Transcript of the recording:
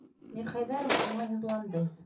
Мирхәйҙәров уңайһыҙланды.